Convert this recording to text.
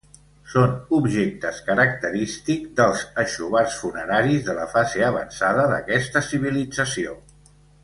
Són objectes característics dels aixovars funeraris de la fase avançada d'aquesta civilització.